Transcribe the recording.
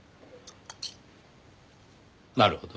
なるほど。